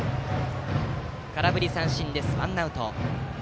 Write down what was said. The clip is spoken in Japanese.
空振り三振でワンアウト。